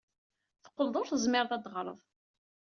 Teqqleḍ ur tezmireḍ ad teɣreḍ?